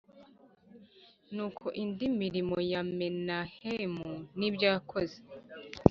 Nuko indi mirimo ya Menahemu n ibyo yakoze